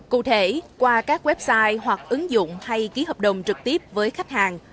cụ thể qua các website hoặc ứng dụng hay ký hợp đồng trực tiếp với khách hàng